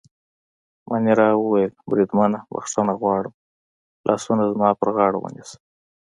مانیرا وویل: بریدمنه، بخښنه غواړم، لاسونه زما پر غاړه ونیسه.